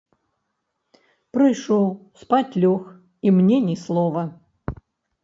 Прыйшоў, спаць лёг і мне ні слова.